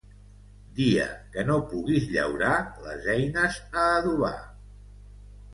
Dia que no puguis llaurar, les eines a adobar.